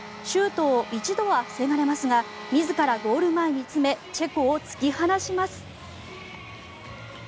シュートを一度は防がれますが自らゴール前に詰めチェコを突き放します。